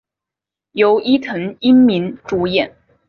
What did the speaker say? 由伊藤英明主演。